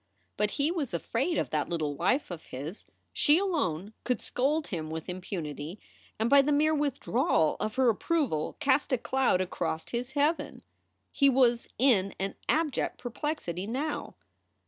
But he was afraid of that little wife of his. She alone could scold him with impunity and by the mere withdrawal of her approval cast a cloud across his heaven. He was in an abject perplexity now.